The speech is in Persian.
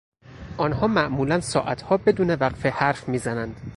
آنها معمولا ساعتها بدون وقفه حرف میزنند.